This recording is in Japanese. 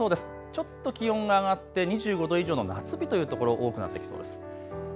ちょっと気温が上がって２５度以上の夏日という所多くなってきそうです。